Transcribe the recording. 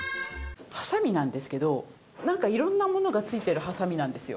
はさみなんですけどなんか色んなものが付いてるはさみなんですよ。